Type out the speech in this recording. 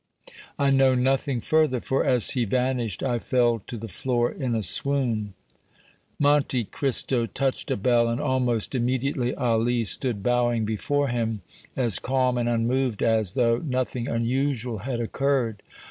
I know nothing further, for as he vanished I fell to the floor in a swoon." Monte Cristo touched a bell and almost immediately Ali stood bowing before him, as calm and unmoved as though nothing unusual had occurred.